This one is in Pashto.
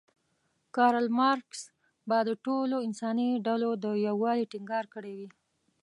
کارل مارکس به د ټولو انساني ډلو د یووالي ټینګار کړی وی.